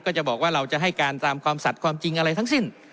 ก็จะบอกว่าเราจะให้การตามความสัตว์ความจริงอะไรทั้งสิ้น